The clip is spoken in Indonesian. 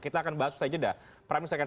kita akan bahas ustaz jeddah pramil saya akan